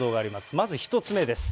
まず１つ目です。